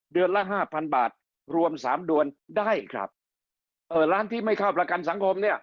เดือนละ๕๐๐๐บาทรวม๓ดวนได้ครับร้านที่ไม่เข้าประกันสังคม